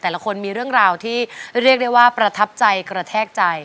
แต่ละคนมีเรื่องราวที่เรียกได้ว่าประทับใจกระแทกใจ